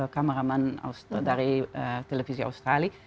kameraman dari televisi australia